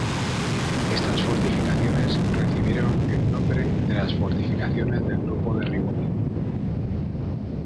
Estas fortificaciones recibieron el nombre de las fortificaciones del grupo de Rivoli.